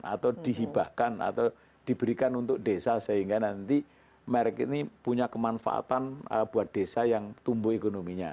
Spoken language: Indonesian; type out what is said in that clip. atau dihibahkan atau diberikan untuk desa sehingga nanti merek ini punya kemanfaatan buat desa yang tumbuh ekonominya